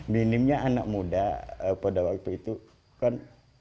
minimnya anak muda pada waktu itu kan